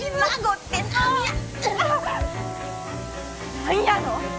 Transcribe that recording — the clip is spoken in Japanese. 何やの！？